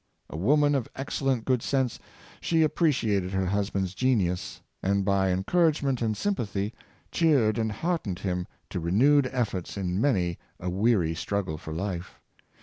A woman of excellent good sense, she appreciated her husband's genius, and, by encouragement and sympathy, cheered and heartened him to renewed efforts in many a weary struggle for life.